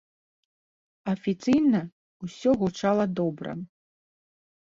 Афіцыйна усё гучала добра.